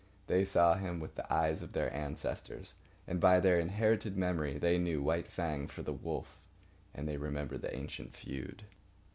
They saw him with the eyes of their ancestors, and by their inherited memory they knew White Fang for the wolf, and they remembered the ancient feud.